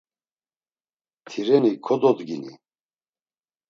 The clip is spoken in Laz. Tireni kododgini!